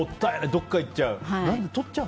どっかいっちゃう？